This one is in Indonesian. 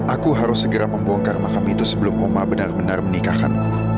aku harus segera membongkar makam itu sebelum oma benar benar menikahkan